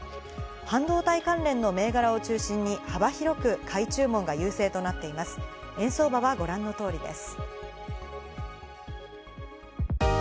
半導体関連の銘柄を中心に幅広く買い注文が優勢となっています。